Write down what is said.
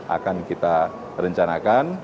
akan kita rencanakan